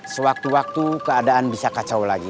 sewaktu waktu keadaan bisa kacau lagi